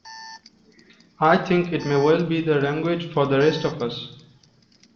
I think it may well be the language for the rest of us.